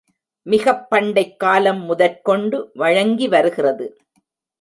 மிகப் பண்டைக் காலம் முதற்கொண்டு வழங்கி வருகிறது.